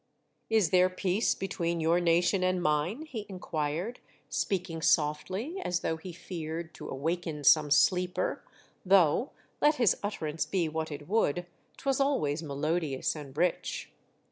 " Is there peace between your nation and mine ?" he inquired, speaking softly, as though he feared to awaken some sleeper, though, let his utterance be what it would, 'twas always melodious and rich.